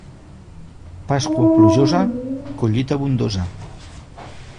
Pasqua plujosa, collita abundosa.